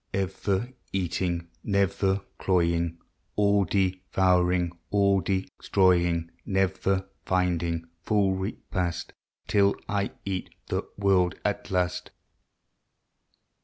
Ever eating, never cloying, All devouring, all destroying, Never finding full repast Till I eat the world at last.